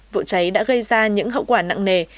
vụ cháy đã gây ra những hậu quả nặng nề